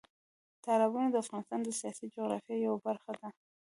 تالابونه د افغانستان د سیاسي جغرافیه یوه برخه ده.